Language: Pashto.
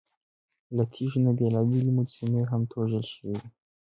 له تیږو نه بېلابېلې مجسمې هم توږل شوې وې.